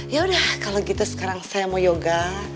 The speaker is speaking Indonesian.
yaudah kalau gitu sekarang saya mau yoga